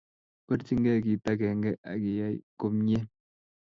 Porchinkey kit akenge akiay komnye.